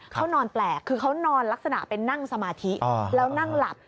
เขานอนแปลกคือเขานอนลักษณะเป็นนั่งสมาธิแล้วนั่งหลับ